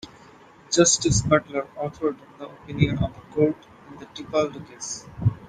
Justice Butler authored the opinion of the Court in the "Tipaldo" case.